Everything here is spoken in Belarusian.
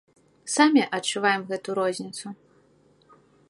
Самі адчуваем гэту розніцу.